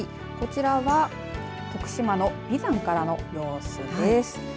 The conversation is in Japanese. こちらは徳島の眉山からの様子です。